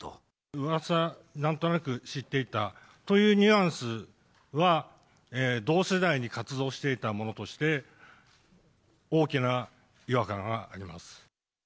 うわさ、なんとなく知っていたというニュアンスは、同世代に活動していたものとして、大きな違和感があります。